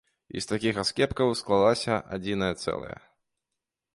І з такіх аскепкаў склалася адзінае цэлае.